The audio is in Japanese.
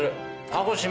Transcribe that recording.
鹿児島。